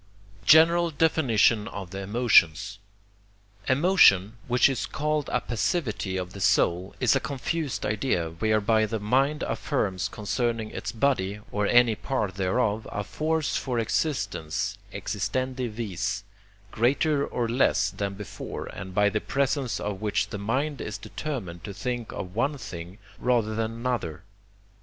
GENERAL DEFINITION OF THE EMOTIONS Emotion, which is called a passivity of the soul, is a confused idea, whereby the mind affirms concerning its body, or any part thereof, a force for existence (existendi vis) greater or less than before, and by the presence of which the mind is determined to think of one thing rather than another.